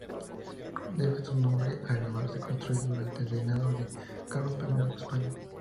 Debe su nombre a haberse construido durante el reinado de Carlos I de España.